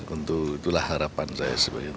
untuk itulah harapan saya seperti itu